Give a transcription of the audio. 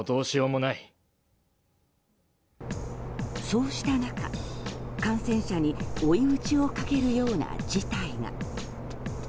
そうした中、感染者に追い打ちをかけるような事態が。